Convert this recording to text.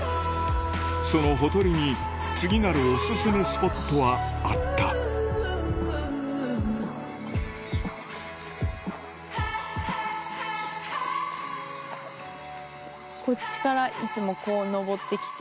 そのほとりに次なるオススメスポットはあったこっちからいつもこう上ってきて。